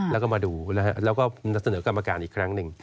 แล้วก็มาดูแล้วก็นัดเสนอกรรมการอีกครั้งหนึ่ง